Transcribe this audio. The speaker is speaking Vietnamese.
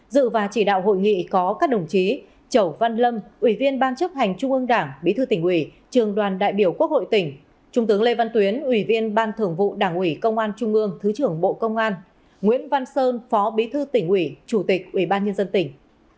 dự và chỉ đạo hội nghị có các đồng chí chẩu văn lâm ủy viên ban chấp hành trung ương đảng bí thư tỉnh ủy trường đoàn đại biểu quốc hội tỉnh trung tướng lê văn tuyến ủy viên ban thưởng vụ đảng ủy công an trung ương thứ trưởng bộ công an nguyễn văn sơn phó bí thư tỉnh ủy chủ tịch ủy ban nhân dân tỉnh